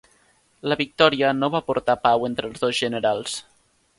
La victòria no va portar pau entre els dos generals.